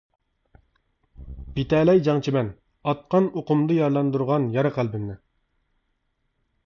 بىتەلەي جەڭچىمەن، ئاتقان ئوقۇمدا، يارىلاندۇرغان يارا قەلبىمنى.